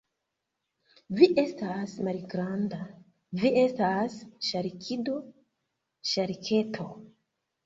Vi estas malgranda. Vi estas ŝarkido. Ŝarketo.